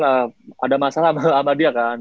ada masalah sama dia kan